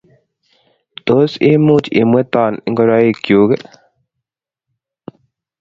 Tos imuch imweton ngoroik chuk ii?